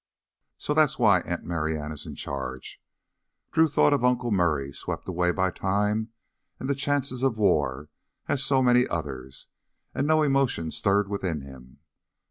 "So that's why Aunt Marianna's in charge." Drew thought of Uncle Murray swept away by time and the chances of war as so many others and no emotion stirred within him.